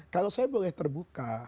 kalau saya boleh terbuka